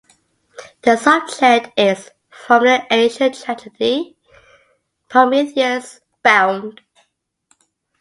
The subject is from the ancient tragedy "Prometheus Bound".